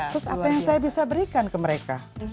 terus apa yang saya bisa berikan ke mereka